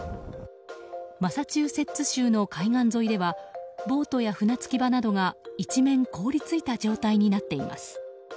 マサチューセッツ州の海岸沿いではボートや船着き場などが一面凍り付いた状態になっています。